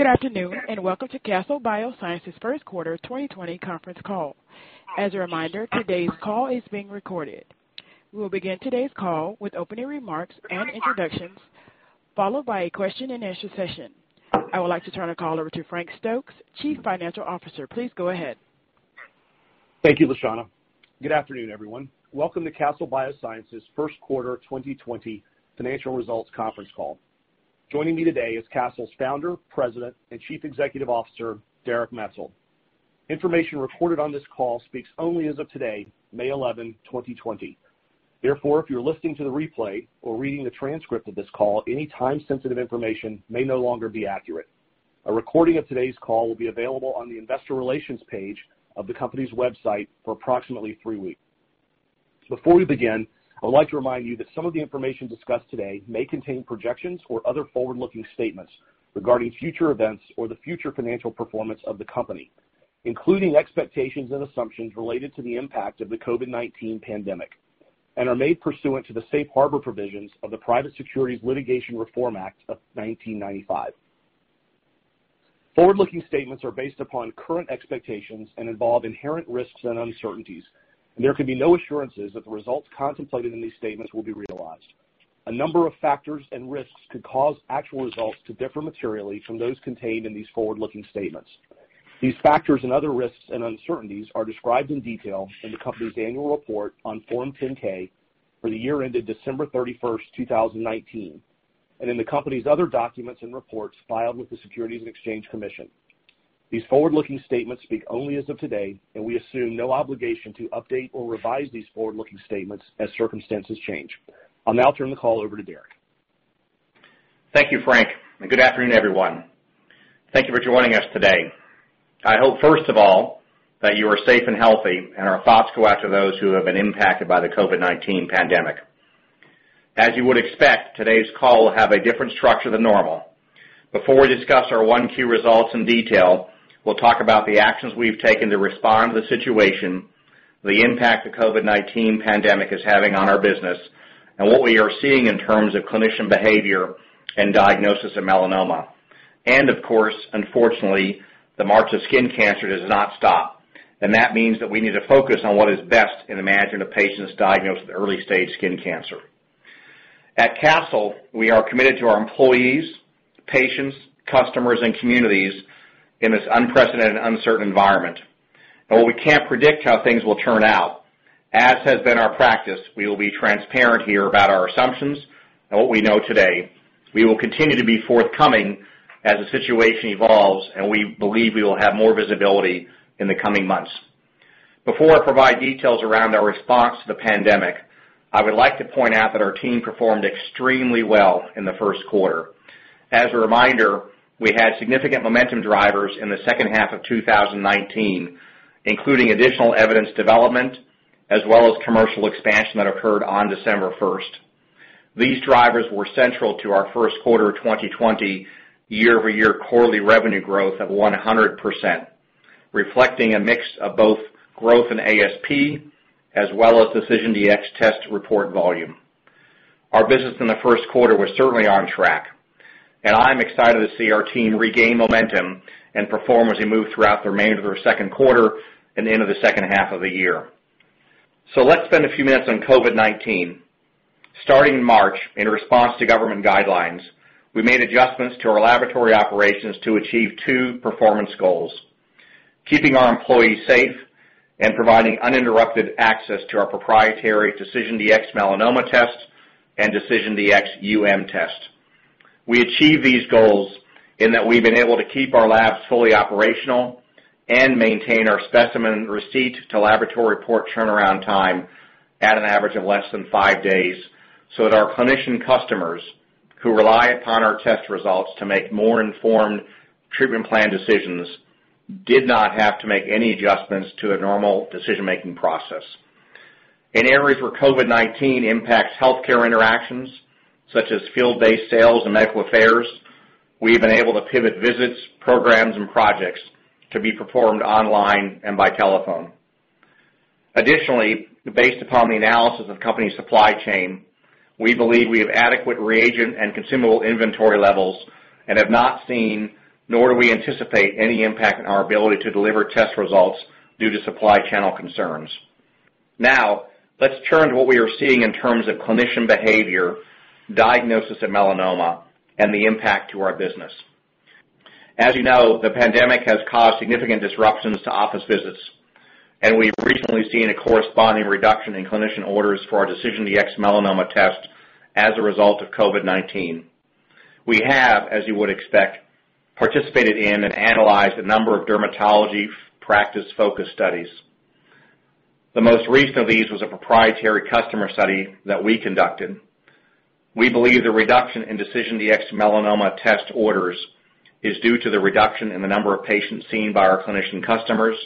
Good afternoon and welcome to Castle Biosciences' first quarter 2020 conference call. As a reminder, today's call is being recorded. We will begin today's call with opening remarks and introductions, followed by a question-and-answer session. I would like to turn the call over to Frank Stokes, Chief Financial Officer. Please go ahead. Thank you, Shannon. Good afternoon, everyone. Welcome to Castle Biosciences' first quarter 2020 financial results conference call. Joining me today is Castle's founder, President, and Chief Executive Officer, Derek Maetzold. Information recorded on this call speaks only as of today, May 11, 2020. Therefore, if you're listening to the replay or reading the transcript of this call, any time-sensitive information may no longer be accurate. A recording of today's call will be available on the investor relations page of the company's website for approximately three weeks. Before we begin, I would like to remind you that some of the information discussed today may contain projections or other forward-looking statements regarding future events or the future financial performance of the company, including expectations and assumptions related to the impact of the COVID-19 pandemic, and are made pursuant to the safe harbor provisions of the Private Securities Litigation Reform Act of 1995. Forward-looking statements are based upon current expectations and involve inherent risks and uncertainties, and there can be no assurances that the results contemplated in these statements will be realized. A number of factors and risks could cause actual results to differ materially from those contained in these forward-looking statements. These factors and other risks and uncertainties are described in detail in the company's annual report on Form 10-K for the year ended December 31, 2019, and in the company's other documents and reports filed with the Securities and Exchange Commission. These forward-looking statements speak only as of today, and we assume no obligation to update or revise these forward-looking statements as circumstances change. I'll now turn the call over to Derek. Thank you, Frank. Good afternoon, everyone. Thank you for joining us today. I hope, first of all, that you are safe and healthy and our thoughts go out to those who have been impacted by the COVID-19 pandemic. As you would expect, today's call will have a different structure than normal. Before we discuss our Q1 results in detail, we will talk about the actions we have taken to respond to the situation, the impact the COVID-19 pandemic is having on our business, and what we are seeing in terms of clinician behavior and diagnosis of melanoma. Of course, unfortunately, the march of skin cancer does not stop, and that means that we need to focus on what is best in managing a patient that is diagnosed with early-stage skin cancer. At Castle, we are committed to our employees, patients, customers, and communities in this unprecedented and uncertain environment. While we can't predict how things will turn out, as has been our practice, we will be transparent here about our assumptions and what we know today. We will continue to be forthcoming as the situation evolves, and we believe we will have more visibility in the coming months. Before I provide details around our response to the pandemic, I would like to point out that our team performed extremely well in the first quarter. As a reminder, we had significant momentum drivers in the second half of 2019, including additional evidence development as well as commercial expansion that occurred on December 1. These drivers were central to our first quarter 2020 year-over-year quarterly revenue growth of 100%, reflecting a mix of both growth in ASP as well as DecisionDx test report volume. Our business in the first quarter was certainly on track, and I'm excited to see our team regain momentum and perform as we move throughout the remainder of the second quarter and into the second half of the year. Let's spend a few minutes on COVID-19. Starting in March, in response to government guidelines, we made adjustments to our laboratory operations to achieve two performance goals: keeping our employees safe and providing uninterrupted access to our proprietary DecisionDx-Melanoma test and DecisionDx-UM test. We achieved these goals in that we've been able to keep our labs fully operational and maintain our specimen receipt to laboratory report turnaround time at an average of less than five days so that our clinician customers, who rely upon our test results to make more informed treatment plan decisions, did not have to make any adjustments to a normal decision-making process. In areas where COVID-19 impacts healthcare interactions, such as field-based sales and medical affairs, we've been able to pivot visits, programs, and projects to be performed online and by telephone. Additionally, based upon the analysis of the company's supply chain, we believe we have adequate reagent and consumable inventory levels and have not seen, nor do we anticipate, any impact on our ability to deliver test results due to supply channel concerns. Now, let's turn to what we are seeing in terms of clinician behavior, diagnosis of melanoma, and the impact to our business. As you know, the pandemic has caused significant disruptions to office visits, and we've recently seen a corresponding reduction in clinician orders for our DecisionDx-Melanoma test as a result of COVID-19. We have, as you would expect, participated in and analyzed a number of dermatology practice-focused studies. The most recent of these was a proprietary customer study that we conducted. We believe the reduction in DecisionDx-Melanoma test orders is due to the reduction in the number of patients seen by our clinician customers,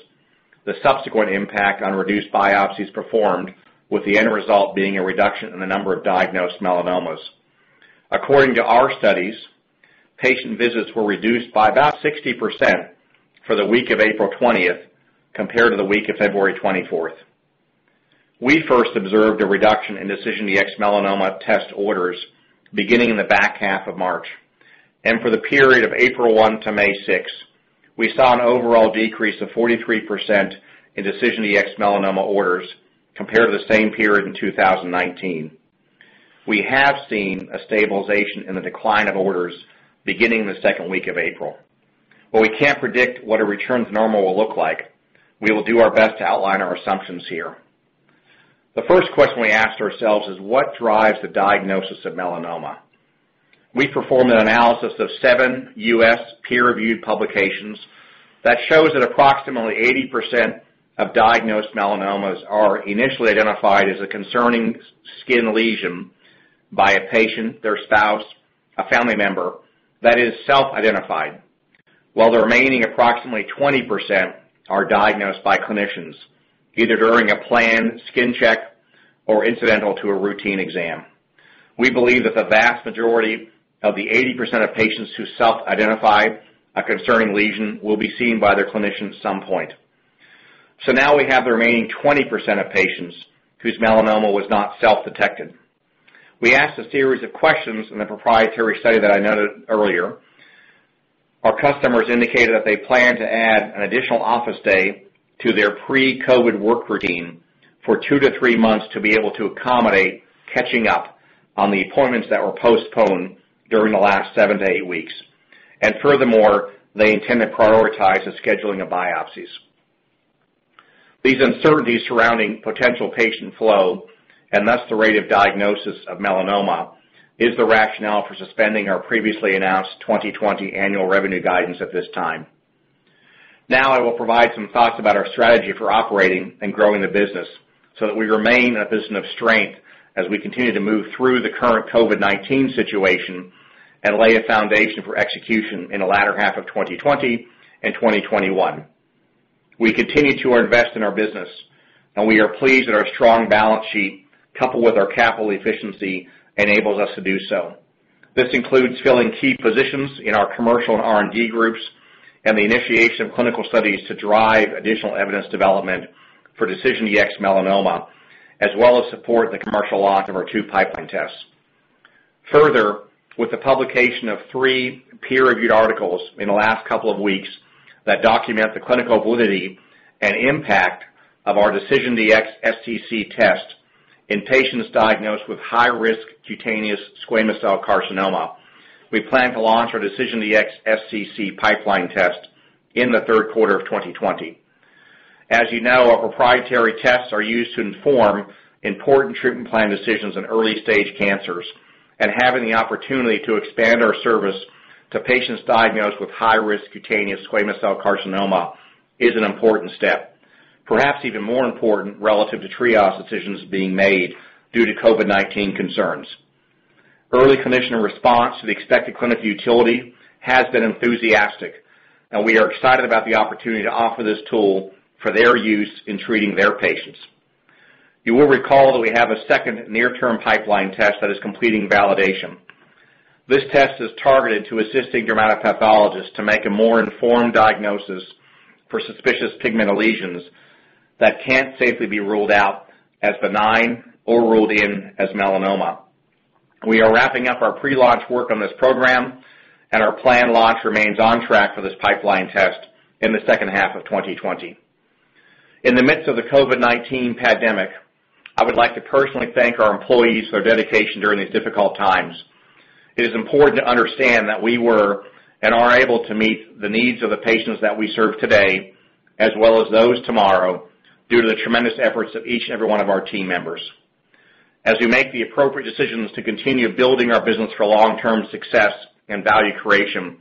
the subsequent impact on reduced biopsies performed, with the end result being a reduction in the number of diagnosed melanomas. According to our studies, patient visits were reduced by about 60% for the week of April 20th compared to the week of February 24th. We first observed a reduction in DecisionDx-Melanoma test orders beginning in the back half of March, and for the period of April 1 to May 6, we saw an overall decrease of 43% in DecisionDx-Melanoma orders compared to the same period in 2019. We have seen a stabilization in the decline of orders beginning in the second week of April. While we can't predict what a return to normal will look like, we will do our best to outline our assumptions here. The first question we asked ourselves is, what drives the diagnosis of melanoma? We performed an analysis of seven U.S. Peer-reviewed publications show that approximately 80% of diagnosed melanomas are initially identified as a concerning skin lesion by a patient, their spouse, or a family member that is self-identified, while the remaining approximately 20% are diagnosed by clinicians either during a planned skin check or incidental to a routine exam. We believe that the vast majority of the 80% of patients who self-identify a concerning lesion will be seen by their clinician at some point. Now we have the remaining 20% of patients whose melanoma was not self-detected. We asked a series of questions in the proprietary study that I noted earlier. Our customers indicated that they plan to add an additional office day to their pre-COVID work routine for two to three months to be able to accommodate catching up on the appointments that were postponed during the last seven to eight weeks. Furthermore, they intend to prioritize the scheduling of biopsies. These uncertainties surrounding potential patient flow and thus the rate of diagnosis of melanoma is the rationale for suspending our previously announced 2020 annual revenue guidance at this time. Now, I will provide some thoughts about our strategy for operating and growing the business so that we remain in a position of strength as we continue to move through the current COVID-19 situation and lay a foundation for execution in the latter half of 2020 and 2021. We continue to invest in our business, and we are pleased that our strong balance sheet, coupled with our capital efficiency, enables us to do so. This includes filling key positions in our commercial and R&D groups and the initiation of clinical studies to drive additional evidence development for DecisionDx-Melanoma, as well as support the commercial launch of our two pipeline tests. Further, with the publication of three peer-reviewed articles in the last couple of weeks that document the clinical validity and impact of our DecisionDx-SCC test in patients diagnosed with high-risk cutaneous squamous cell carcinoma, we plan to launch our DecisionDx-SCC pipeline test in the third quarter of 2020. As you know, our proprietary tests are used to inform important treatment plan decisions in early-stage cancers, and having the opportunity to expand our service to patients diagnosed with high-risk cutaneous squamous cell carcinoma is an important step, perhaps even more important relative to triage decisions being made due to COVID-19 concerns. Early clinician response to the expected clinical utility has been enthusiastic, and we are excited about the opportunity to offer this tool for their use in treating their patients. You will recall that we have a second near-term pipeline test that is completing validation. This test is targeted to assisting dermatopathologists to make a more informed diagnosis for suspicious pigment lesions that can't safely be ruled out as benign or ruled in as melanoma. We are wrapping up our pre-launch work on this program, and our planned launch remains on track for this pipeline test in the second half of 2020. In the midst of the COVID-19 pandemic, I would like to personally thank our employees for their dedication during these difficult times. It is important to understand that we were and are able to meet the needs of the patients that we serve today as well as those tomorrow due to the tremendous efforts of each and every one of our team members. As we make the appropriate decisions to continue building our business for long-term success and value creation,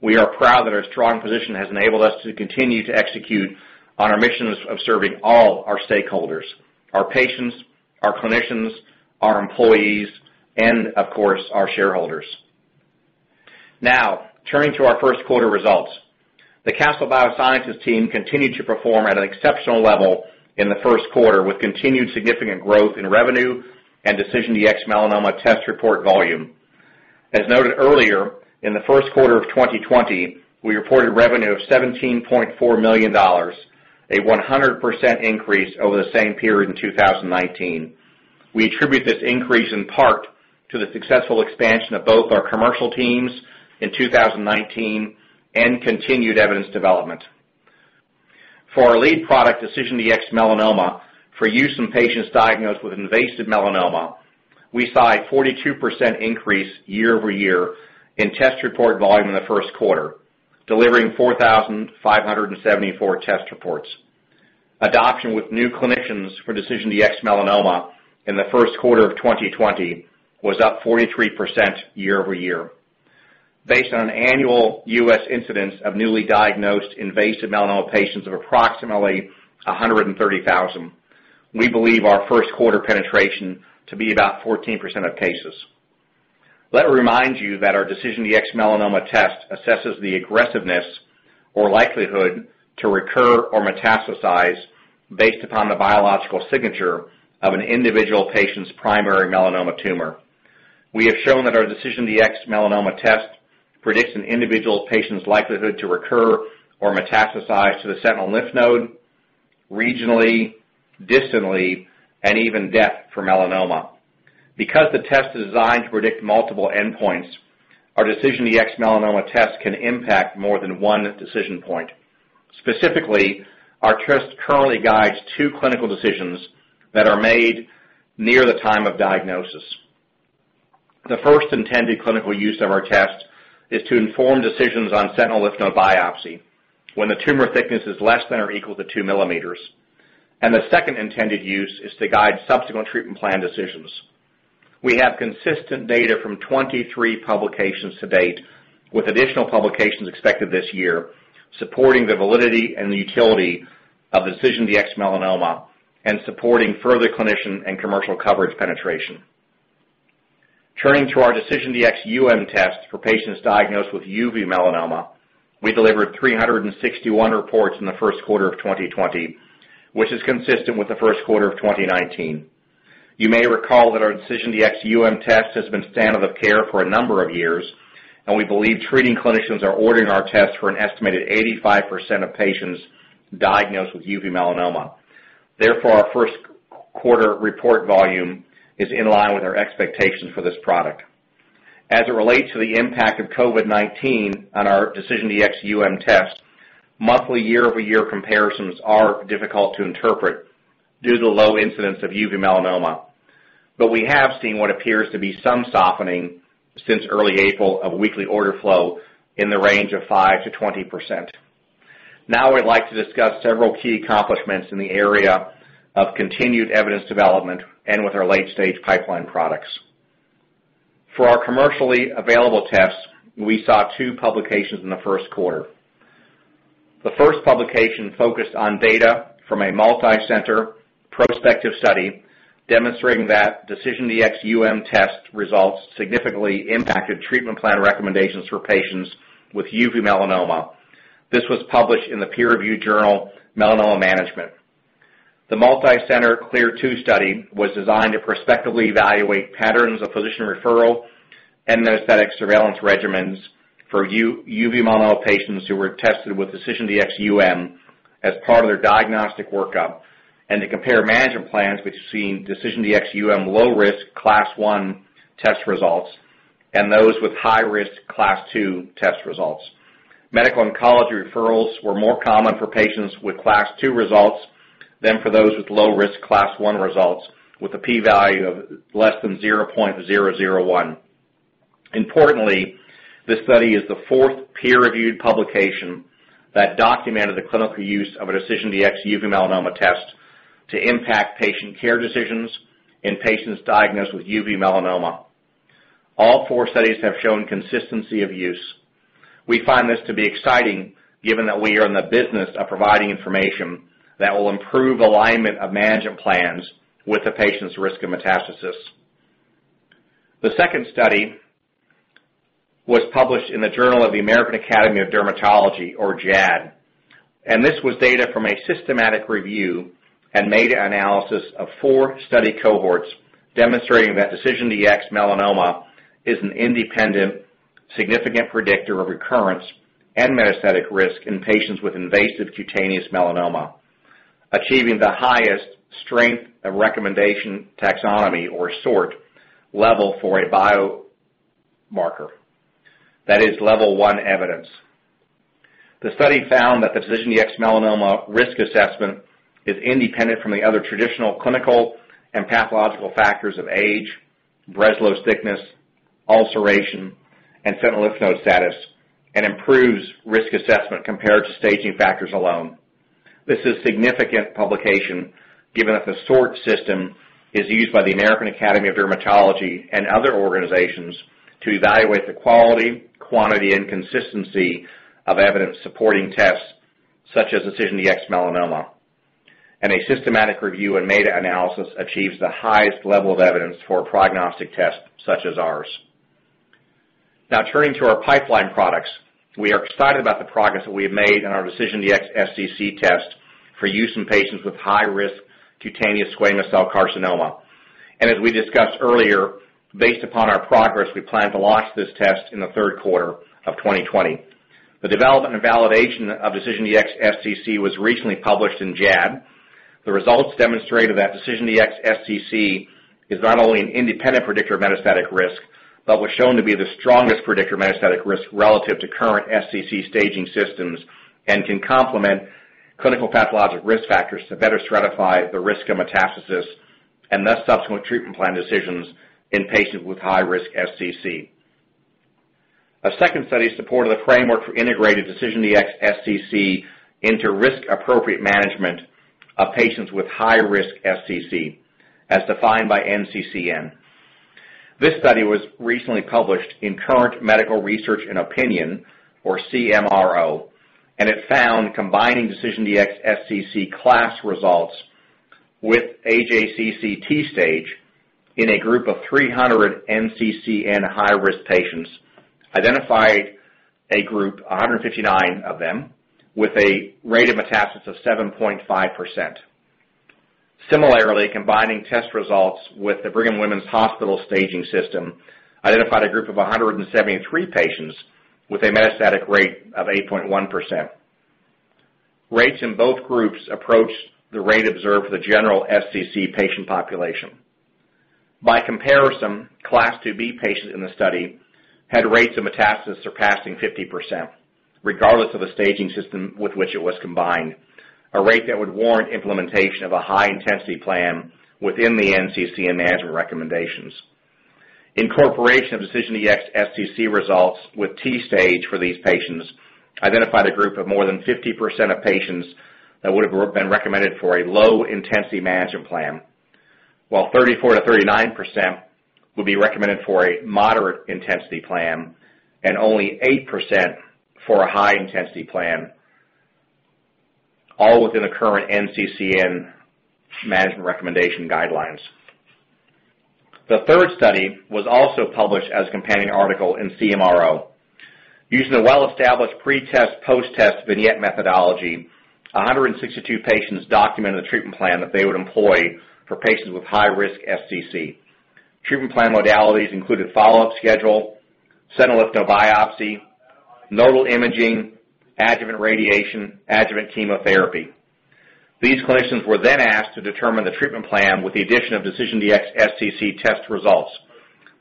we are proud that our strong position has enabled us to continue to execute on our mission of serving all our stakeholders: our patients, our clinicians, our employees, and, of course, our shareholders. Now, turning to our first quarter results, the Castle Biosciences team continued to perform at an exceptional level in the first quarter with continued significant growth in revenue and DecisionDx-Melanoma test report volume. As noted earlier, in the first quarter of 2020, we reported revenue of $17.4 million, a 100% increase over the same period in 2019. We attribute this increase in part to the successful expansion of both our commercial teams in 2019 and continued evidence development. For our lead product, DecisionDx-Melanoma for use in patients diagnosed with invasive melanoma, we saw a 42% increase year-over-year in test report volume in the first quarter, delivering 4,574 test reports. Adoption with new clinicians for DecisionDx-Melanoma in the first quarter of 2020 was up 43% year-over-year. Based on an annual U.S. incidence of newly diagnosed invasive melanoma patients of approximately 130,000, we believe our first quarter penetration to be about 14% of cases. Let me remind you that our DecisionDx-Melanoma test assesses the aggressiveness or likelihood to recur or metastasize based upon the biological signature of an individual patient's primary melanoma tumor. We have shown that our DecisionDx-Melanoma test predicts an individual patient's likelihood to recur or metastasize to the sentinel lymph node, regionally, distantly, and even death from melanoma. Because the test is designed to predict multiple endpoints, our DecisionDx-Melanoma test can impact more than one decision point. Specifically, our test currently guides two clinical decisions that are made near the time of diagnosis. The first intended clinical use of our test is to inform decisions on sentinel lymph node biopsy when the tumor thickness is less than or equal to 2, and the second intended use is to guide subsequent treatment plan decisions. We have consistent data from 23 publications to date, with additional publications expected this year, supporting the validity and utility of the DecisionDx-Melanoma and supporting further clinician and commercial coverage penetration. Turning to our DecisionDx-UM test for patients diagnosed with uveal melanoma, we delivered 361 reports in the first quarter of 2020, which is consistent with the first quarter of 2019. You may recall that our DecisionDx-UM test has been standard of care for a number of years, and we believe treating clinicians are ordering our test for an estimated 85% of patients diagnosed with uveal melanoma. Therefore, our first quarter report volume is in line with our expectations for this product. As it relates to the impact of COVID-19 on our DecisionDx-UM test, monthly year-over-year comparisons are difficult to interpret due to the low incidence of uveal melanoma, but we have seen what appears to be some softening since early April of weekly order flow in the range of 5%-20%. Now, I'd like to discuss several key accomplishments in the area of continued evidence development and with our late-stage pipeline products. For our commercially available tests, we saw two publications in the first quarter. The first publication focused on data from a multicenter prospective study demonstrating that DecisionDx-UM test results significantly impacted treatment plan recommendations for patients with uveal melanoma. This was published in the peer-reviewed journal Melanoma Management. The multicenter CLEAR-2 study was designed to prospectively evaluate patterns of physician referral and anesthetic surveillance regimens for uveal melanoma patients who were tested with DecisionDx-UM as part of their diagnostic workup and to compare management plans between DecisionDx-UM low-risk Class I test results and those with high-risk Class II test results. Medical oncology referrals were more common for patients with Class II results than for those with low-risk Class I results with a p-value of less than 0.001. Importantly, this study is the fourth peer-reviewed publication that documented the clinical use of a DecisionDx-UM uveal melanoma test to impact patient care decisions in patients diagnosed with uveal melanoma. All four studies have shown consistency of use. We find this to be exciting given that we are in the business of providing information that will improve alignment of management plans with the patient's risk of metastasis. The second study was published in the Journal of the American Academy of Dermatology, or JAAD, and this was data from a systematic review and meta-analysis of four study cohorts demonstrating that DecisionDx-Melanoma is an independent, significant predictor of recurrence and metastatic risk in patients with invasive cutaneous melanoma, achieving the highest Strength of Recommendation Taxonomy, or SORT, level for a biomarker. That is, level one evidence. The study found that the DecisionDx-Melanoma risk assessment is independent from the other traditional clinical and pathological factors of age, Breslow thickness, ulceration, and sentinel lymph node status, and improves risk assessment compared to staging factors alone. This is a significant publication given that the SORT system is used by the American Academy of Dermatology and other organizations to evaluate the quality, quantity, and consistency of evidence supporting tests such as DecisionDx-Melanoma, and a systematic review and meta-analysis achieves the highest level of evidence for prognostic tests such as ours. Now, turning to our pipeline products, we are excited about the progress that we have made in our DecisionDx-SCC test for use in patients with high-risk cutaneous squamous cell carcinoma. As we discussed earlier, based upon our progress, we plan to launch this test in the third quarter of 2020. The development and validation of DecisionDx-SCC was recently published in JAAD. The results demonstrated that DecisionDx-SCC is not only an independent predictor of metastatic risk but was shown to be the strongest predictor of metastatic risk relative to current SCC staging systems and can complement clinical pathologic risk factors to better stratify the risk of metastasis and thus subsequent treatment plan decisions in patients with high-risk SCC. A second study supported the framework for integrating DecisionDx-SCC into risk-appropriate management of patients with high-risk SCC, as defined by NCCN. This study was recently published in Current Medical Research and Opinion, or CMRO, and it found combining DecisionDx-SCC class results with AJCC stage in a group of 300 NCCN high-risk patients identified a group, 159 of them, with a rate of metastasis of 7.5%. Similarly, combining test results with the Brigham and Women's Hospital staging system identified a group of 173 patients with a metastatic rate of 8.1%. Rates in both groups approached the rate observed for the general SCC patient population. By comparison, class IIB patients in the study had rates of metastasis surpassing 50%, regardless of the staging system with which it was combined, a rate that would warrant implementation of a high-intensity plan within the NCCN management recommendations. Incorporation of DecisionDx-SCC results with T-stage for these patients identified a group of more than 50% of patients that would have been recommended for a low-intensity management plan, while 34-39% would be recommended for a moderate-intensity plan and only 8% for a high-intensity plan, all within the current NCCN management recommendation guidelines. The third study was also published as a companion article in CMRO. Using the well-established pre-test, post-test vignette methodology, 162 patients documented the treatment plan that they would employ for patients with high-risk SCC. Treatment plan modalities included follow-up schedule, sentinel lymph node biopsy, nodal imaging, adjuvant radiation, adjuvant chemotherapy. These clinicians were then asked to determine the treatment plan with the addition of DecisionDx-SCC test results.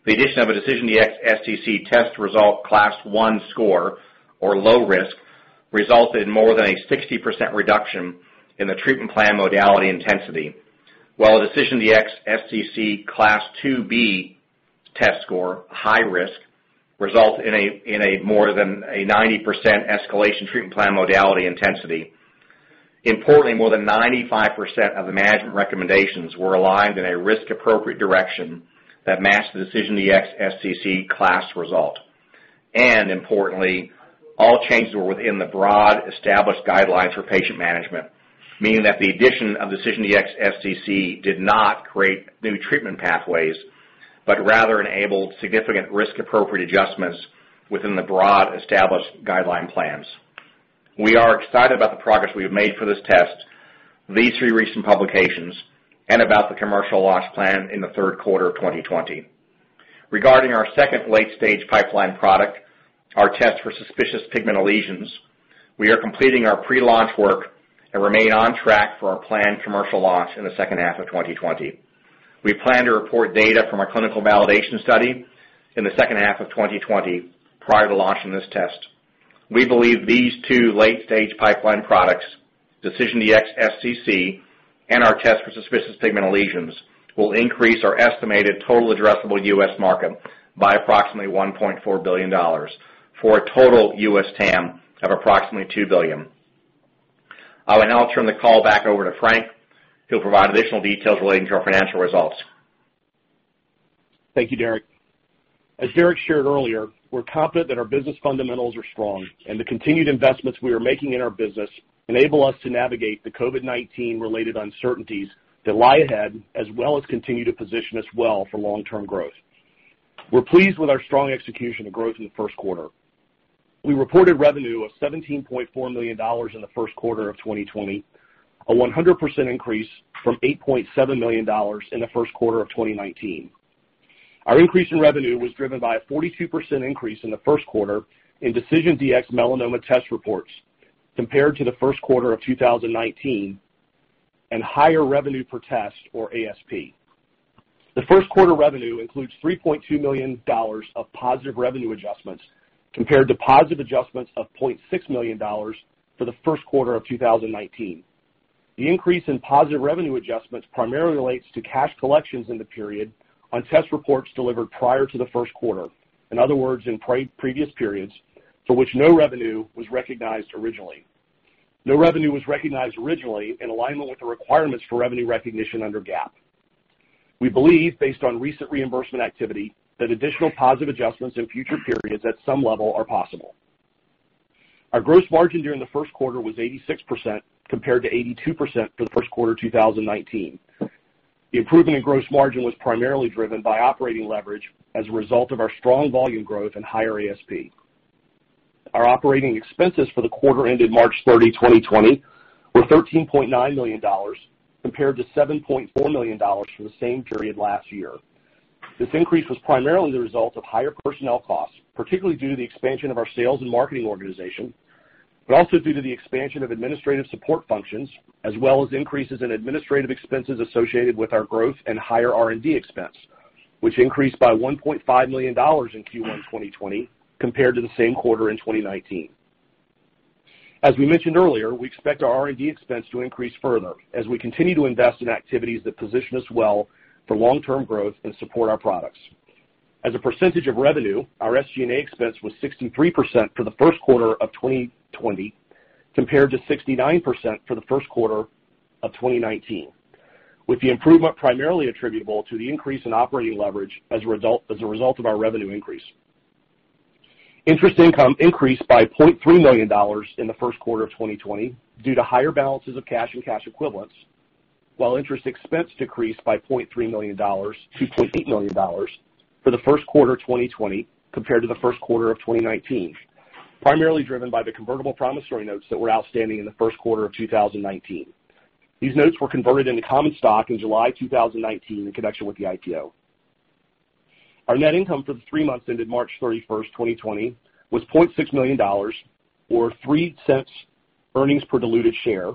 The addition of a DecisionDx-SCC test result class I score, or low risk, resulted in more than a 60% reduction in the treatment plan modality intensity, while a DecisionDx-SCC class IIB test score, high risk, resulted in a more than a 90% escalation in treatment plan modality intensity. Importantly, more than 95% of the management recommendations were aligned in a risk-appropriate direction that matched the DecisionDx-SCC class result. Importantly, all changes were within the broad established guidelines for patient management, meaning that the addition of DecisionDx-SCC did not create new treatment pathways but rather enabled significant risk-appropriate adjustments within the broad established guideline plans. We are excited about the progress we have made for this test, these three recent publications, and about the commercial launch plan in the third quarter of 2020. Regarding our second late-stage pipeline product, our test for suspicious pigment lesions, we are completing our pre-launch work and remain on track for our planned commercial launch in the second half of 2020. We plan to report data from our clinical validation study in the second half of 2020 prior to launching this test. We believe these two late-stage pipeline products, DecisionDx-SCC and our test for suspicious pigment lesions, will increase our estimated total addressable US. market by approximately $1.4 billion for a total U.S. TAM of approximately $2 billion. I will now turn the call back over to Frank, who will provide additional details relating to our financial results. Thank you, Derek. As Derek shared earlier, we're confident that our business fundamentals are strong and the continued investments we are making in our business enable us to navigate the COVID-19-related uncertainties that lie ahead, as well as continue to position us well for long-term growth. We're pleased with our strong execution of growth in the first quarter. We reported revenue of $17.4 million in the first quarter of 2020, a 100% increase from $8.7 million in the first quarter of 2019. Our increase in revenue was driven by a 42% increase in the first quarter in DecisionDx-Melanoma test reports compared to the first quarter of 2019 and higher revenue per test, or ASP. The first quarter revenue includes $3.2 million of positive revenue adjustments compared to positive adjustments of $0.6 million for the first quarter of 2019. The increase in positive revenue adjustments primarily relates to cash collections in the period on test reports delivered prior to the first quarter, in other words, in previous periods for which no revenue was recognized originally. No revenue was recognized originally in alignment with the requirements for revenue recognition under GAAP. We believe, based on recent reimbursement activity, that additional positive adjustments in future periods at some level are possible. Our gross margin during the first quarter was 86% compared to 82% for the first quarter of 2019. The improvement in gross margin was primarily driven by operating leverage as a result of our strong volume growth and higher ASP. Our operating expenses for the quarter ended March 30, 2020, were $13.9 million compared to $7.4 million for the same period last year. This increase was primarily the result of higher personnel costs, particularly due to the expansion of our sales and marketing organization, but also due to the expansion of administrative support functions, as well as increases in administrative expenses associated with our growth and higher R&D expense, which increased by $1.5 million in Q1 2020 compared to the same quarter in 2019. As we mentioned earlier, we expect our R&D expense to increase further as we continue to invest in activities that position us well for long-term growth and support our products. As a percentage of revenue, our SG&A expense was 63% for the first quarter of 2020 compared to 69% for the first quarter of 2019, with the improvement primarily attributable to the increase in operating leverage as a result of our revenue increase. Interest income increased by $0.3 million in the first quarter of 2020 due to higher balances of cash and cash equivalents, while interest expense decreased by $0.3 million to $0.8 million for the first quarter of 2020 compared to the first quarter of 2019, primarily driven by the convertible promissory notes that were outstanding in the first quarter of 2019. These notes were converted into common stock in July 2019 in connection with the IPO. Our net income for the three months ended March 31, 2020, was $0.6 million, or 3 cents earnings per diluted share,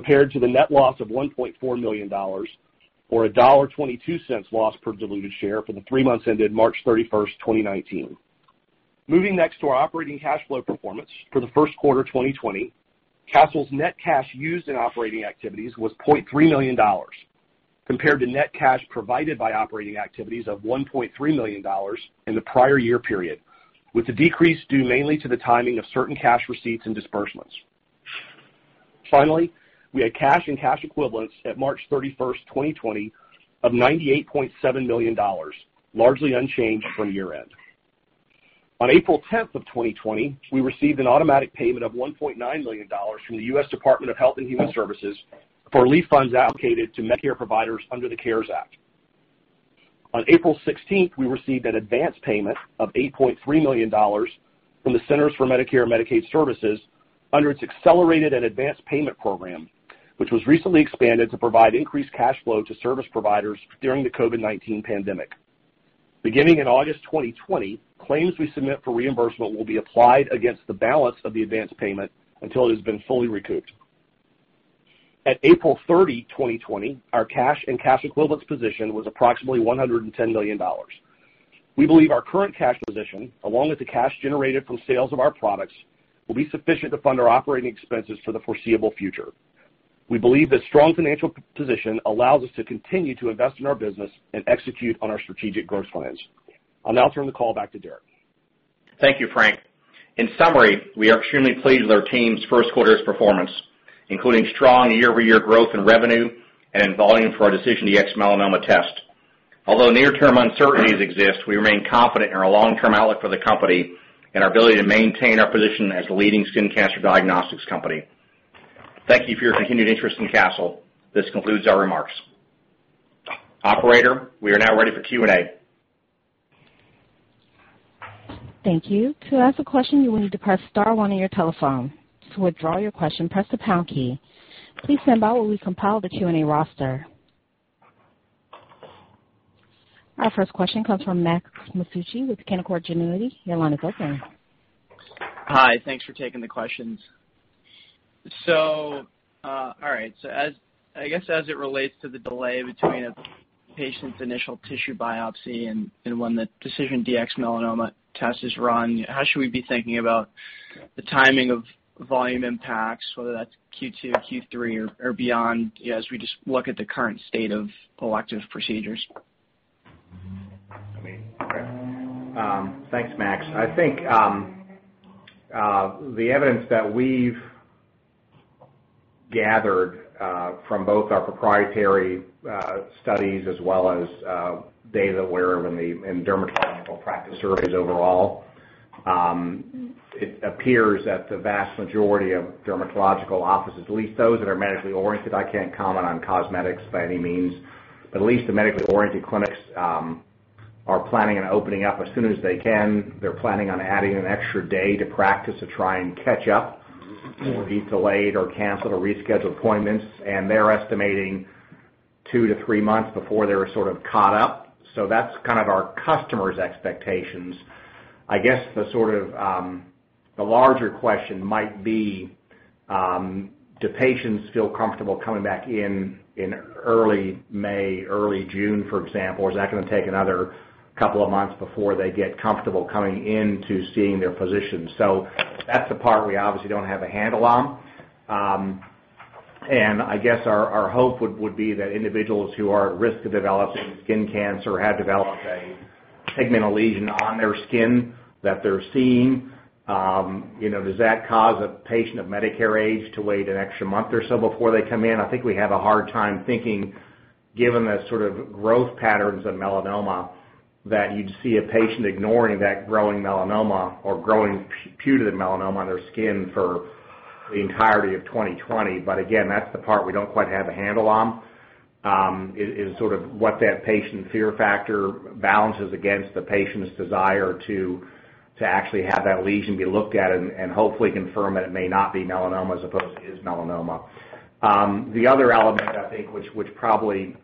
compared to the net loss of $1.4 million, or $1.22 loss per diluted share for the three months ended March 31, 2019. Moving next to our operating cash flow performance for the first quarter of 2020, Castle's net cash used in operating activities was $0.3 million compared to net cash provided by operating activities of $1.3 million in the prior year period, with the decrease due mainly to the timing of certain cash receipts and disbursements. Finally, we had cash and cash equivalents at March 31, 2020, of $98.7 million, largely unchanged from year-end. On April 10, 2020, we received an automatic payment of $1.9 million from the US Department of Health and Human Services for relief funds allocated to Medicare providers under the CARES Act. On April 16, we received an advance payment of $8.3 million from the Centers for Medicare & Medicaid Services under its accelerated and advanced payment program, which was recently expanded to provide increased cash flow to service providers during the COVID-19 pandemic. Beginning in August 2020, claims we submit for reimbursement will be applied against the balance of the advance payment until it has been fully recouped. At April 30, 2020, our cash and cash equivalents position was approximately $110 million. We believe our current cash position, along with the cash generated from sales of our products, will be sufficient to fund our operating expenses for the foreseeable future. We believe this strong financial position allows us to continue to invest in our business and execute on our strategic growth plans. I'll now turn the call back to Derek. Thank you, Frank. In summary, we are extremely pleased with our team's first quarter's performance, including strong year-over-year growth in revenue and in volume for our DecisionDx-Melanoma test. Although near-term uncertainties exist, we remain confident in our long-term outlook for the company and our ability to maintain our position as the leading skin cancer diagnostics company. Thank you for your continued interest in Castle. This concludes our remarks. Operator, we are now ready for Q&A. Thank you. To ask a question, you will need to press star one on your telephone. To withdraw your question, press the pound key. Please stand by while we compile the Q&A roster. Our first question comes from Max Masucci with Canaccord Genuity. Your line is open. Hi. Thanks for taking the questions. All right. I guess as it relates to the delay between a patient's initial tissue biopsy and when the DecisionDx-Melanoma test is run, how should we be thinking about the timing of volume impacts, whether that's Q2, Q3, or beyond, as we just look at the current state of elective procedures? I mean, thanks, Max. I think the evidence that we've gathered from both our proprietary studies as well as data that we're in dermatological practice surveys overall, it appears that the vast majority of dermatological offices, at least those that are medically oriented—I can't comment on cosmetics by any means—but at least the medically oriented clinics are planning on opening up as soon as they can. They're planning on adding an extra day to practice to try and catch up or be delayed or cancel or reschedule appointments. They're estimating two to three months before they're sort of caught up. That's kind of our customer's expectations. I guess the sort of the larger question might be, do patients feel comfortable coming back in early May, early June, for example? Is that going to take another couple of months before they get comfortable coming in to seeing their physician? That's the part we obviously don't have a handle on. I guess our hope would be that individuals who are at risk of developing skin cancer had developed a pigmented lesion on their skin that they're seeing. Does that cause a patient of Medicare age to wait an extra month or so before they come in? I think we have a hard time thinking, given the sort of growth patterns of melanoma, that you'd see a patient ignoring that growing melanoma or growing putative melanoma on their skin for the entirety of 2020. Again, that's the part we don't quite have a handle on, is sort of what that patient fear factor balances against the patient's desire to actually have that lesion be looked at and hopefully confirm that it may not be melanoma as opposed to melanoma. The other element, I think, which probably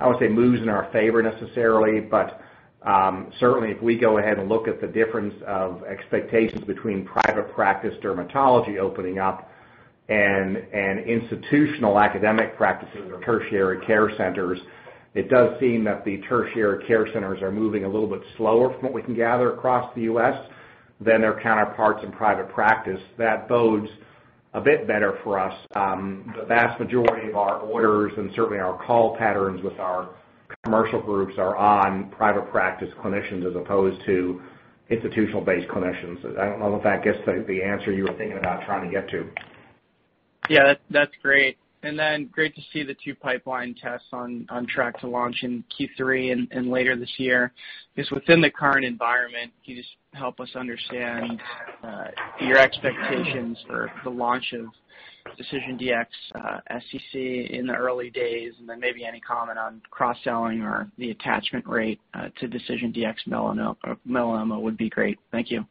I would say moves in our favor necessarily, but certainly if we go ahead and look at the difference of expectations between private practice dermatology opening up and institutional academic practices or tertiary care centers, it does seem that the tertiary care centers are moving a little bit slower from what we can gather across the US. than their counterparts in private practice. That bodes a bit better for us. The vast majority of our orders and certainly our call patterns with our commercial groups are on private practice clinicians as opposed to institutional-based clinicians. I do not know if that gets to the answer you were thinking about trying to get to. Yeah, that's great. Great to see the two pipeline tests on track to launch in Q3 and later this year. Just within the current environment, can you just help us understand your expectations for the launch of DecisionDx-SCC in the early days? Maybe any comment on cross-selling or the attachment rate to DecisionDx-Melanoma would be great. Thank you.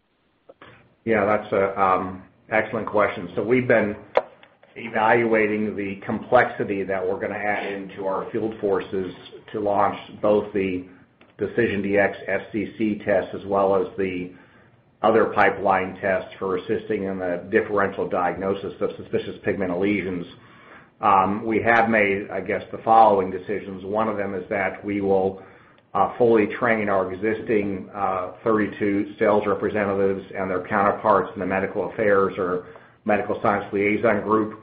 Yeah, that's an excellent question. We have been evaluating the complexity that we are going to add into our field forces to launch both the DecisionDx-SCC test as well as the other pipeline tests for assisting in the differential diagnosis of suspicious pigment lesions. We have made, I guess, the following decisions. One of them is that we will fully train our existing 32 sales representatives and their counterparts in the medical affairs or medical science liaison group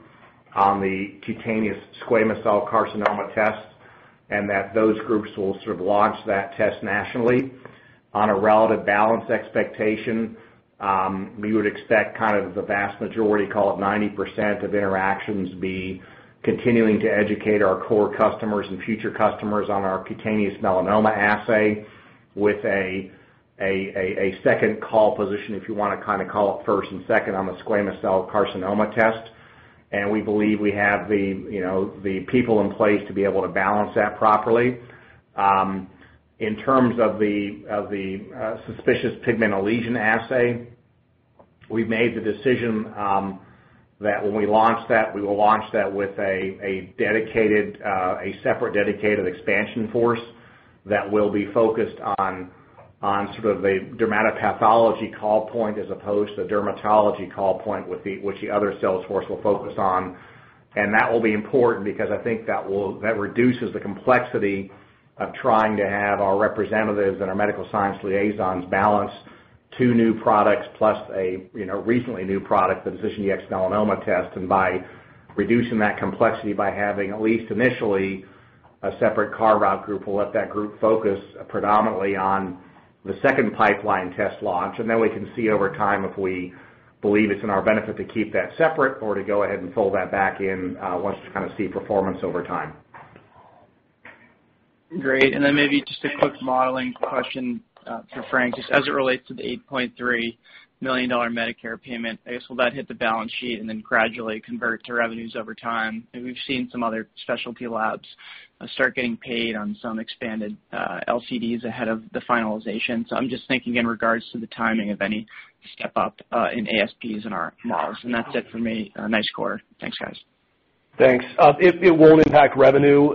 on the cutaneous squamous cell carcinoma test, and that those groups will sort of launch that test nationally on a relative balance expectation. We would expect kind of the vast majority, call it 90% of interactions, to be continuing to educate our core customers and future customers on our cutaneous melanoma assay with a second call position, if you want to kind of call it first and second, on the squamous cell carcinoma test. We believe we have the people in place to be able to balance that properly. In terms of the suspicious pigmented lesion assay, we've made the decision that when we launch that, we will launch that with a separate dedicated expansion force that will be focused on sort of the dermatopathology call point as opposed to the dermatology call point, which the other sales force will focus on. That will be important because I think that reduces the complexity of trying to have our representatives and our medical science liaisons balance two new products plus a recently new product, the DecisionDx-Melanoma test. By reducing that complexity, by having at least initially a separate carve-out group, we'll let that group focus predominantly on the second pipeline test launch. We can see over time if we believe it's in our benefit to keep that separate or to go ahead and pull that back in once we kind of see performance over time. Great. Maybe just a quick modeling question for Frank, just as it relates to the $8.3 million Medicare payment. I guess will that hit the balance sheet and then gradually convert to revenues over time? We've seen some other specialty labs start getting paid on some expanded LCDs ahead of the finalization. I'm just thinking in regards to the timing of any step-up in ASPs in our models. That's it for me. Nice quarter. Thanks, guys. Thanks. It won't impact revenue.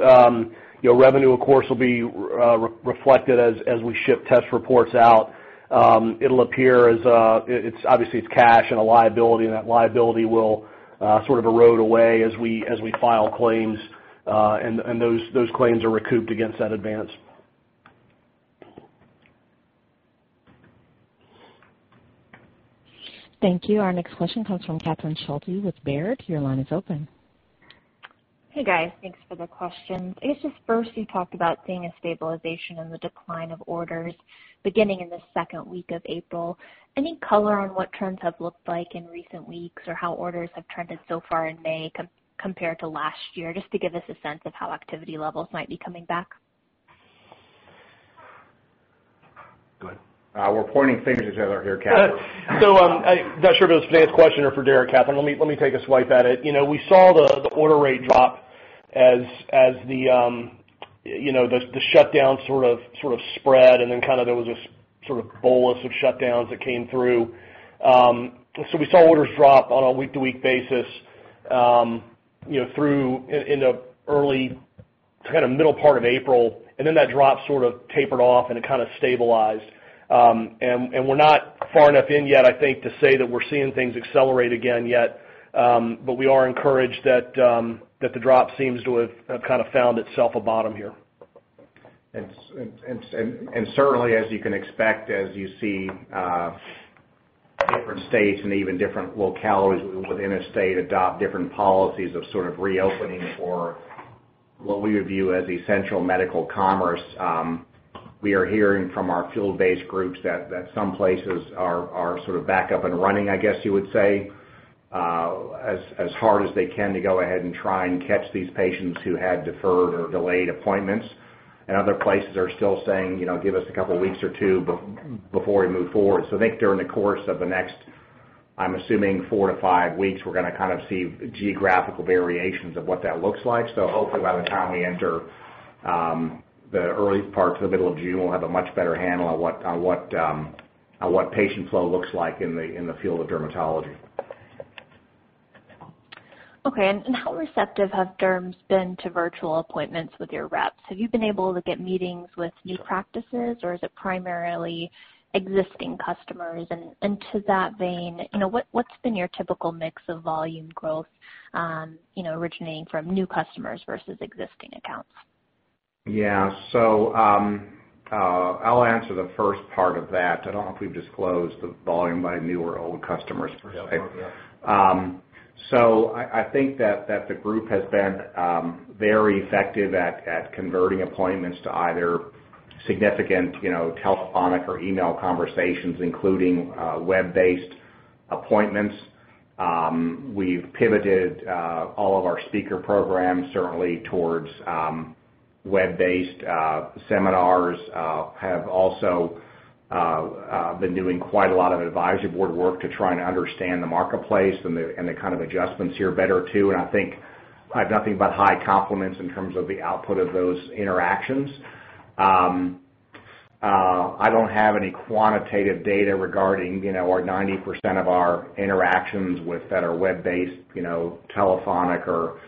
Revenue, of course, will be reflected as we ship test reports out. It'll appear as obviously it's cash and a liability, and that liability will sort of erode away as we file claims, and those claims are recouped against that advance. Thank you. Our next question comes from Catherine Schulte with Baird. Your line is open. Hey, guys. Thanks for the question. I guess just first, you talked about seeing a stabilization in the decline of orders beginning in the second week of April. Any color on what trends have looked like in recent weeks or how orders have trended so far in May compared to last year, just to give us a sense of how activity levels might be coming back? Good. We're pointing fingers at each other here, Catherine. So I'm not sure if it was for the next question or for Derek. Catherine, let me take a swipe at it. We saw the order rate drop as the shutdowns sort of spread, and then there was a sort of bolus of shutdowns that came through. We saw orders drop on a week-to-week basis through into early to kind of middle part of April, and then that drop sort of tapered off and it kind of stabilized. We're not far enough in yet, I think, to say that we're seeing things accelerate again yet, but we are encouraged that the drop seems to have kind of found itself a bottom here. Certainly, as you can expect, as you see different states and even different localities within a state adopt different policies of sort of reopening for what we would view as essential medical commerce, we are hearing from our field-based groups that some places are sort of back up and running, I guess you would say, as hard as they can to go ahead and try and catch these patients who had deferred or delayed appointments. Other places are still saying, "Give us a couple of weeks or two before we move forward." I think during the course of the next, I'm assuming, four to five weeks, we're going to kind of see geographical variations of what that looks like. Hopefully, by the time we enter the early part to the middle of June, we'll have a much better handle on what patient flow looks like in the field of dermatology. Okay. How receptive have derms been to virtual appointments with your reps? Have you been able to get meetings with new practices, or is it primarily existing customers? To that vein, what's been your typical mix of volume growth originating from new customers versus existing accounts? Yeah. I'll answer the first part of that. I don't know if we've disclosed the volume by new or old customers per se. I think that the group has been very effective at converting appointments to either significant telephonic or email conversations, including web-based appointments. We've pivoted all of our speaker programs certainly towards web-based seminars. Have also been doing quite a lot of advisory board work to try and understand the marketplace and the kind of adjustments here better too. I think I have nothing but high compliments in terms of the output of those interactions. I do not have any quantitative data regarding our 90% of our interactions with that are web-based, telephonic, or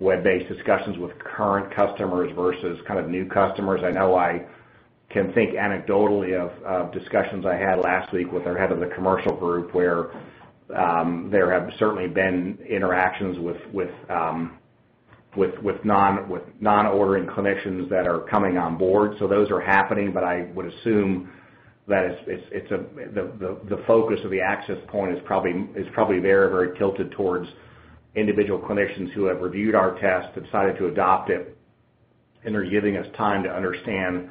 web-based discussions with current customers versus kind of new customers. I know I can think anecdotally of discussions I had last week with our Head of the Commercial group where there have certainly been interactions with non-ordering clinicians that are coming on board. Those are happening, but I would assume that the focus of the access point is probably very, very tilted towards individual clinicians who have reviewed our test, decided to adopt it, and are giving us time to understand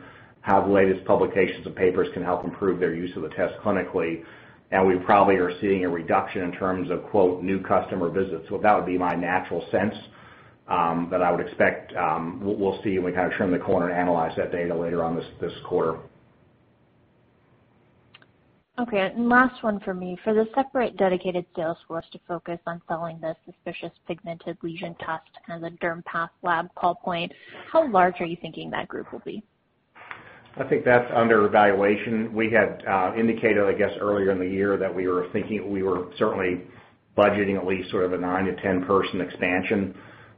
how the latest publications and papers can help improve their use of the test clinically. We probably are seeing a reduction in terms of, quote, "new customer visits." That would be my natural sense that I would expect we'll see when we kind of trim the corner and analyze that data later on this quarter. Okay. Last one for me. For the separate dedicated sales force to focus on selling the suspicious pigmented lesion test and the DermPath lab call point, how large are you thinking that group will be? I think that's under evaluation. We had indicated, I guess, earlier in the year that we were thinking we were certainly budgeting at least sort of a 9-10 person expansion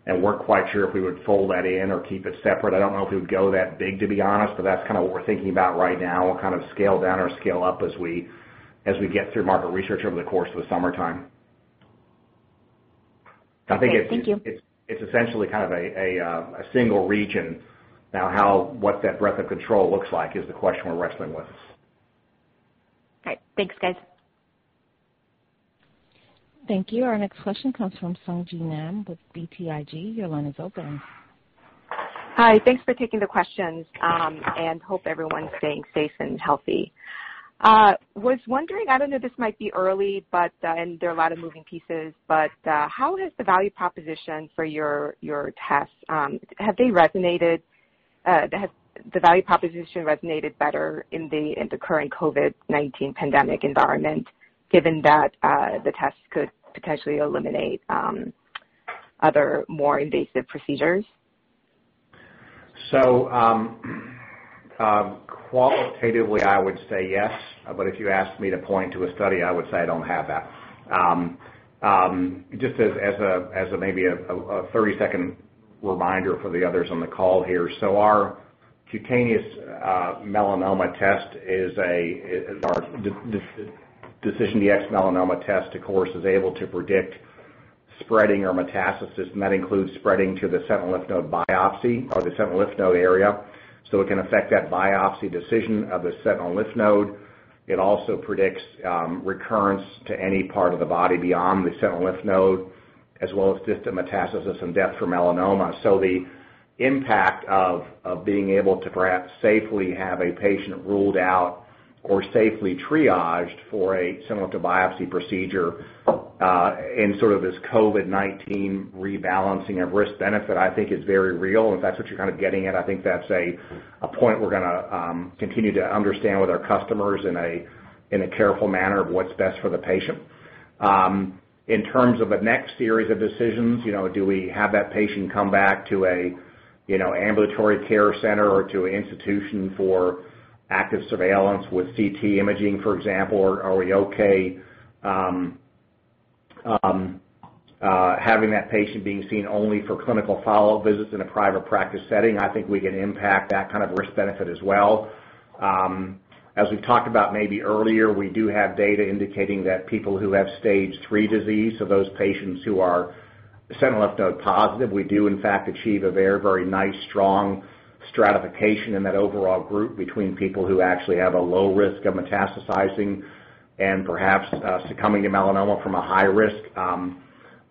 and were not quite sure if we would fold that in or keep it separate. I do not know if we would go that big, to be honest, but that is kind of what we are thinking about right now. We will kind of scale down or scale up as we get through market research over the course of the summertime. I think it is essentially kind of a single region. Now, what that breadth of control looks like is the question we are wrestling with. Okay. Thanks, guys. Thank you. Our next question comes from Sung Ji Nam with BTIG. Your line is open. Hi. Thanks for taking the questions and hope everyone is staying safe and healthy. I don't know if this might be early, but there are a lot of moving pieces, but how has the value proposition for your tests? Have they resonated? Has the value proposition resonated better in the current COVID-19 pandemic environment, given that the tests could potentially eliminate other more invasive procedures? Qualitatively, I would say yes, but if you asked me to point to a study, I would say I don't have that. Just as maybe a 30-second reminder for the others on the call here. Our cutaneous melanoma test is a DecisionDx-Melanoma test, of course, is able to predict spreading or metastasis. That includes spreading to the sentinel lymph node biopsy or the sentinel lymph node area. It can affect that biopsy decision of the sentinel lymph node. It also predicts recurrence to any part of the body beyond the sentinel lymph node, as well as distant metastasis and death from melanoma. The impact of being able to perhaps safely have a patient ruled out or safely triaged for a sentinel lymph node biopsy procedure in sort of this COVID-19 rebalancing of risk-benefit, I think, is very real. If that's what you're kind of getting at, I think that's a point we're going to continue to understand with our customers in a careful manner of what's best for the patient. In terms of the next series of decisions, do we have that patient come back to an ambulatory care center or to an institution for active surveillance with CT imaging, for example? Are we okay having that patient being seen only for clinical follow-up visits in a private practice setting? I think we can impact that kind of risk-benefit as well. As we've talked about maybe earlier, we do have data indicating that people who have stage III disease, so those patients who are sentinel lymph node positive, we do, in fact, achieve a very, very nice strong stratification in that overall group between people who actually have a low risk of metastasizing and perhaps succumbing to melanoma from a high risk.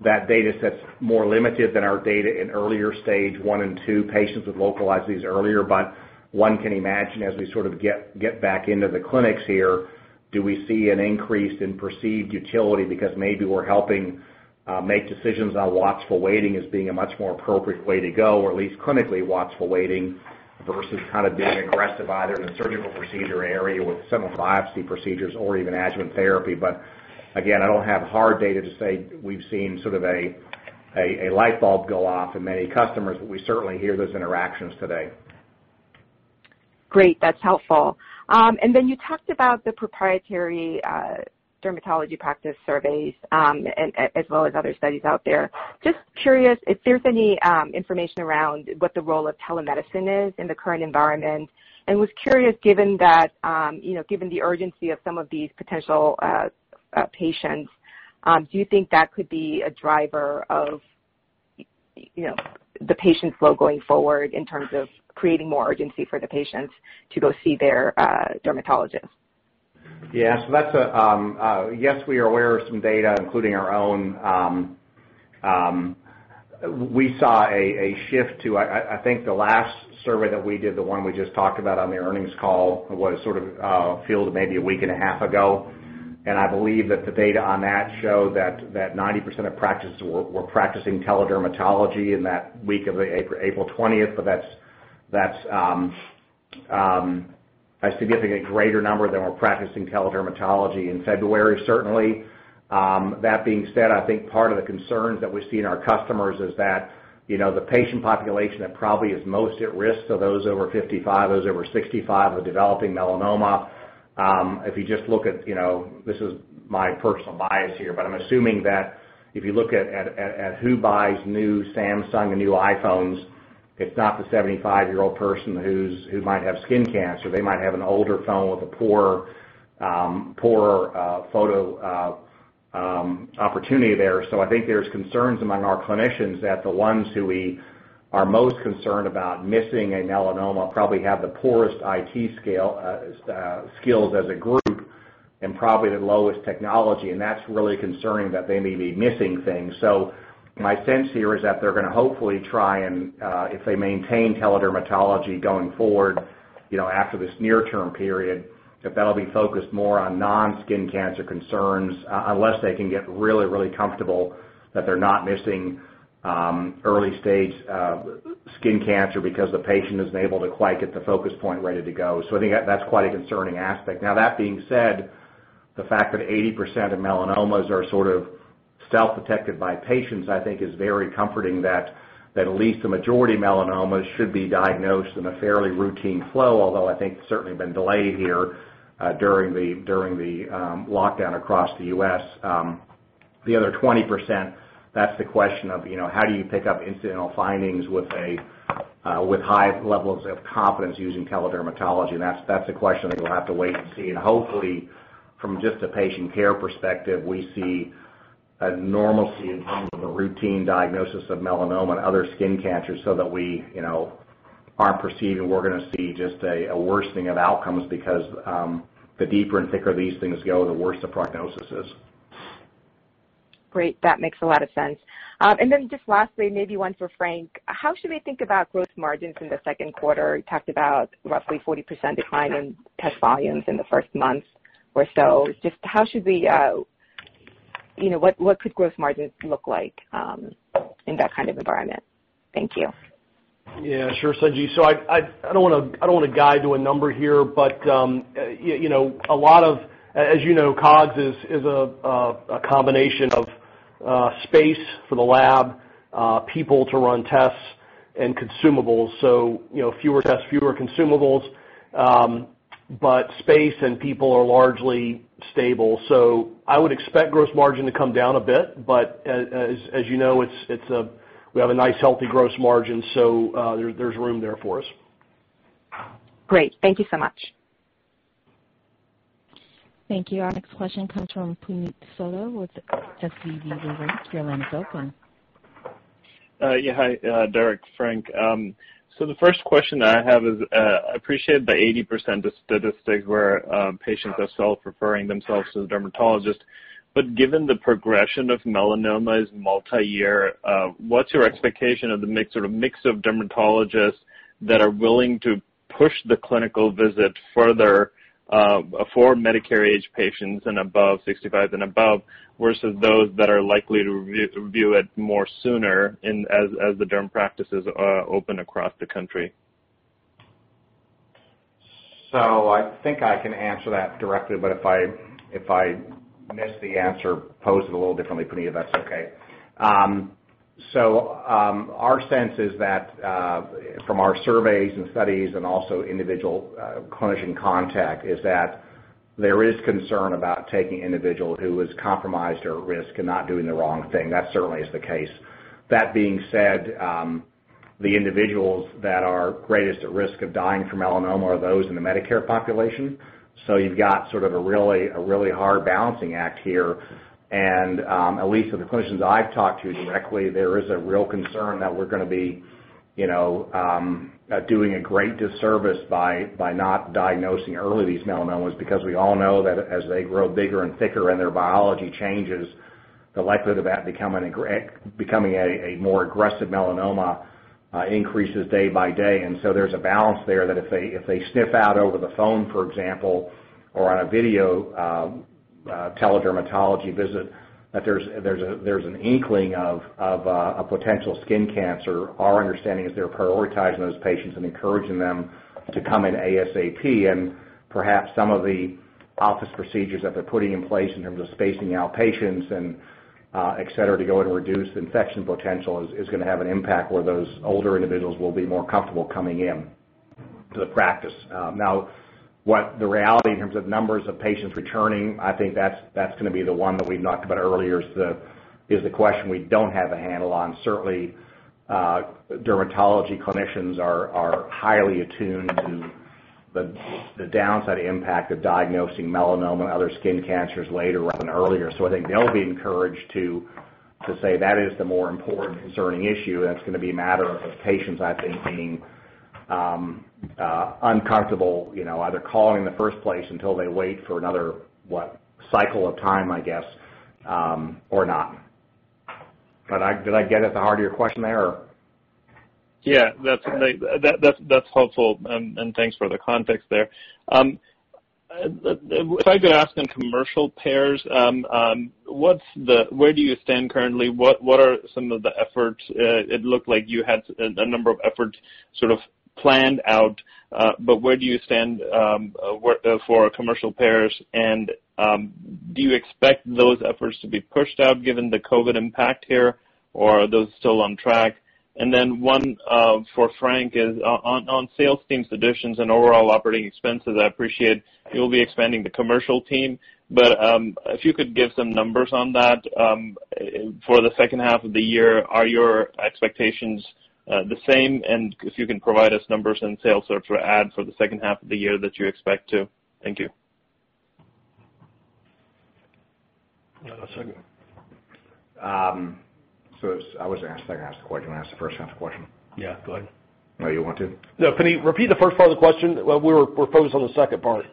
That data set's more limited than our data in earlier stage I and II patients with localized disease earlier, but one can imagine as we sort of get back into the clinics here, do we see an increase in perceived utility because maybe we're helping make decisions on watchful waiting as being a much more appropriate way to go, or at least clinically watchful waiting versus kind of being aggressive either in the surgical procedure area with sentinel biopsy procedures or even adjuvant therapy. Again, I don't have hard data to say we've seen sort of a light bulb go off in many customers, but we certainly hear those interactions today. Great. That's helpful. You talked about the proprietary dermatology practice surveys as well as other studies out there. Just curious if there's any information around what the role of telemedicine is in the current environment. I was curious, given the urgency of some of these potential patients, do you think that could be a driver of the patient's flow going forward in terms of creating more urgency for the patients to go see their dermatologist? Yes, we are aware of some data, including our own. We saw a shift to, I think, the last survey that we did, the one we just talked about on the earnings call, was sort of fielded maybe a week and a half ago. I believe that the data on that showed that 90% of practices were practicing teledermatology in that week of April 20, but that's a significantly greater number than were practicing teledermatology in February, certainly. That being said, I think part of the concerns that we see in our customers is that the patient population that probably is most at risk, so those over 55, those over 65 with developing melanoma, if you just look at this is my personal bias here, but I'm assuming that if you look at who buys new Samsung and new iPhones, it's not the 75-year-old person who might have skin cancer. They might have an older phone with a poorer photo opportunity there. I think there's concerns among our clinicians that the ones who we are most concerned about missing a melanoma probably have the poorest IT skills as a group and probably the lowest technology. That's really concerning that they may be missing things. My sense here is that they're going to hopefully try and, if they maintain teledermatology going forward after this near-term period, that'll be focused more on non-skin cancer concerns unless they can get really, really comfortable that they're not missing early-stage skin cancer because the patient isn't able to quite get the focus point ready to go. I think that's quite a concerning aspect. That being said, the fact that 80% of melanomas are sort of self-detected by patients, I think, is very comforting that at least the majority of melanomas should be diagnosed in a fairly routine flow, although I think it's certainly been delayed here during the lockdown across the U.S The other 20%, that's the question of how do you pick up incidental findings with high levels of confidence using teledermatology. That's the question that we'll have to wait and see. Hopefully, from just a patient care perspective, we see a normalcy in terms of the routine diagnosis of melanoma and other skin cancers so that we are not perceiving we are going to see just a worsening of outcomes because the deeper and thicker these things go, the worse the prognosis is. Great. That makes a lot of sense. Lastly, maybe one for Frank. How should we think about growth margins in the second quarter? You talked about roughly 40% decline in test volumes in the first month or so. How should we, what could growth margins look like in that kind of environment? Thank you. Yeah. Sure, Sung Ji. I do not want to guide to a number here, but a lot of, as you know, COGS is a combination of space for the lab, people to run tests, and consumables. Fewer tests, fewer consumables, but space and people are largely stable. I would expect growth margin to come down a bit, but as you know, we have a nice healthy growth margin, so there's room there for us. Great. Thank you so much. Thank you. Our next question comes from Puneet Souda with SVB Leerink. Your line is open. Yeah. Hi, Derek. Frank. The first question that I have is I appreciate the 80% statistics where patients are self-referring themselves to the dermatologist. Given the progression of melanoma is multi-year, what's your expectation of the sort of mix of dermatologists that are willing to push the clinical visit further for Medicare-age patients and above 65 and above versus those that are likely to view it more sooner as the derm practices open across the country? I think I can answer that directly, but if I miss the answer, pose it a little differently, Puneet, if that's okay. Our sense is that from our surveys and studies and also individual clinician contact is that there is concern about taking an individual who is compromised or at risk and not doing the wrong thing. That certainly is the case. That being said, the individuals that are greatest at risk of dying from melanoma are those in the Medicare population. You have got sort of a really hard balancing act here. At least of the clinicians I've talked to directly, there is a real concern that we're going to be doing a great disservice by not diagnosing early these melanomas because we all know that as they grow bigger and thicker and their biology changes, the likelihood of that becoming a more aggressive melanoma increases day by day. There is a balance there that if they sniff out over the phone, for example, or on a video teledermatology visit, that there's an inkling of a potential skin cancer. Our understanding is they're prioritizing those patients and encouraging them to come in ASAP. Perhaps some of the office procedures that they're putting in place in terms of spacing out patients, etc., to go and reduce infection potential is going to have an impact where those older individuals will be more comfortable coming into the practice. Now, the reality in terms of numbers of patients returning, I think that's going to be the one that we've talked about earlier is the question we don't have a handle on. Certainly, dermatology clinicians are highly attuned to the downside impact of diagnosing melanoma and other skin cancers later rather than earlier. I think they'll be encouraged to say that is the more important concerning issue. It's going to be a matter of patients, I think, being uncomfortable either calling in the first place until they wait for another, what, cycle of time, I guess, or not. Did I get at the heart of your question there? Yeah. That's helpful. Thanks for the context there. If I could ask in commercial payers, where do you stand currently? What are some of the efforts? It looked like you had a number of efforts sort of planned out, but where do you stand for commercial payers? Do you expect those efforts to be pushed out given the COVID impact here, or are those still on track? One for Frank is on sales teams, additions and overall operating expenses. I appreciate you'll be expanding the commercial team. If you could give some numbers on that for the second half of the year, are your expectations the same? If you can provide us numbers and sales for the second half of the year that you expect to. Thank you. I was going to ask the second half of the question. Can I ask the first half of the question? Yeah. Go ahead. You want to? No, Puneet, repeat the first part of the question. We're focused on the second part.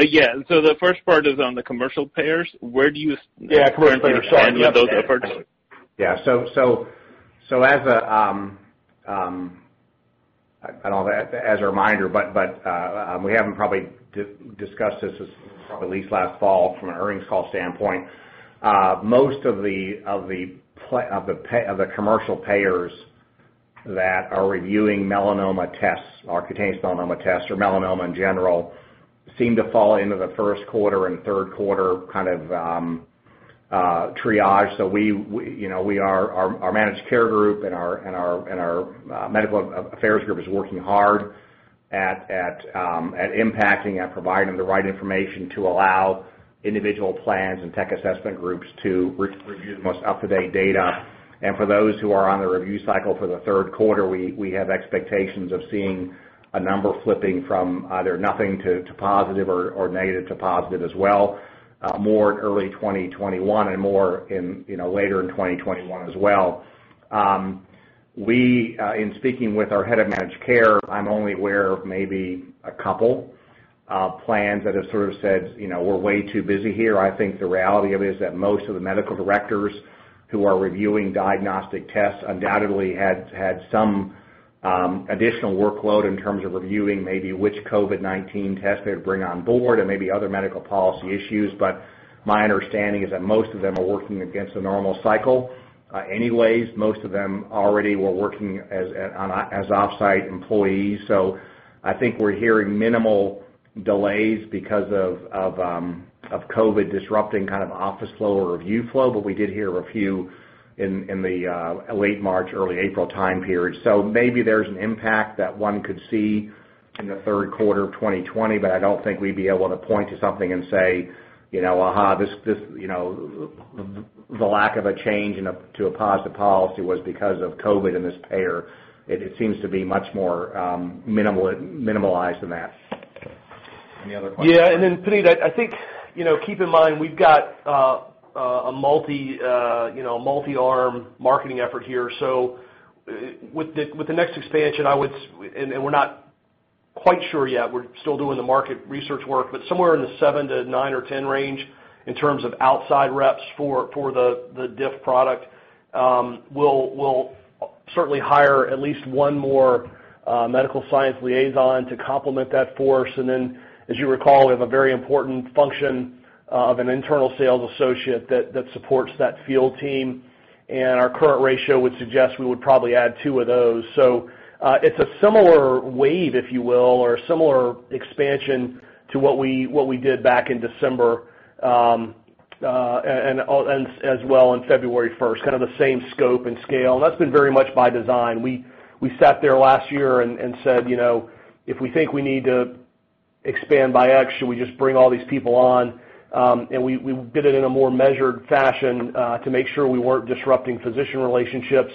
Yeah. The first part is on the commercial payers. Where do you? Yeah. Commercial payers. Sorry. Those efforts. I don't know if as a reminder, but we haven't probably discussed this at least last fall from an earnings call standpoint. Most of the commercial payers that are reviewing melanoma tests or cutaneous melanoma tests or melanoma in general seem to fall into the first quarter and third quarter kind of triage. Our managed care group and our medical affairs group is working hard at impacting and providing the right information to allow individual plans and tech assessment groups to review the most up-to-date data. For those who are on the review cycle for the third quarter, we have expectations of seeing a number flipping from either nothing to positive or negative to positive as well, more in early 2021 and more later in 2021 as well. In speaking with our head of managed care, I'm only aware of maybe a couple of plans that have sort of said, "We're way too busy here." I think the reality of it is that most of the medical directors who are reviewing diagnostic tests undoubtedly had some additional workload in terms of reviewing maybe which COVID-19 test they would bring on board and maybe other medical policy issues. My understanding is that most of them are working against a normal cycle anyways. Most of them already were working as off-site employees. I think we're hearing minimal delays because of COVID disrupting kind of office flow or review flow, but we did hear a few in the late March, early April time period. Maybe there's an impact that one could see in the third quarter of 2020, but I don't think we'd be able to point to something and say, "Aha, the lack of a change to a positive policy was because of COVID in this pair." It seems to be much more minimalized than that. Any other questions? Yeah. Puneet, I think keep in mind we've got a multi-arm marketing effort here. With the next expansion, and we're not quite sure yet. We're still doing the market research work, but somewhere in the 7-9 or 10 range in terms of outside reps for the DIF product. We'll certainly hire at least one more medical science liaison to complement that force. As you recall, we have a very important function of an internal sales associate that supports that field team. Our current ratio would suggest we would probably add two of those. It is a similar wave, if you will, or a similar expansion to what we did back in December as well on February 1, kind of the same scope and scale. That has been very much by design. We sat there last year and said, "If we think we need to expand by X, should we just bring all these people on?" We did it in a more measured fashion to make sure we were not disrupting physician relationships,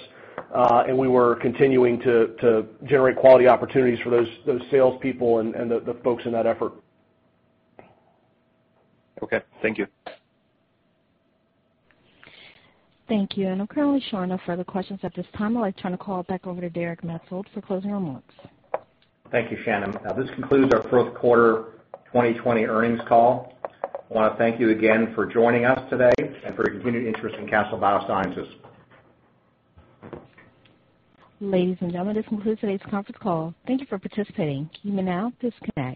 and we were continuing to generate quality opportunities for those salespeople and the folks in that effort. Okay. Thank you. Thank you. I am currently showing no further questions at this time. I would like to turn the call back over to Derek Maetzold for closing remarks. Thank you, Shannon. This concludes our for first quarter 2020 earnings call. I want to thank you again for joining us today and for your continued interest in Castle Biosciences. Ladies and gentlemen, this concludes today's conference call. Thank you for participating. You may now disconnect.